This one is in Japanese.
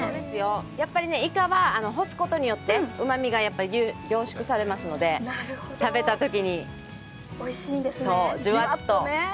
やっぱりイカは干すことによってうまみが凝縮されますので、食べたときに、じゅわっと。